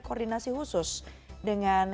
koordinasi khusus dengan